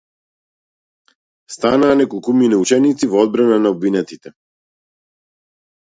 Станаа неколкумина ученици во одбрана на обвинетите.